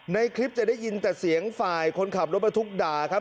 ในคลิปจะได้ยินแต่เสียงฝ่ายคนขับรถบรรทุกด่าครับ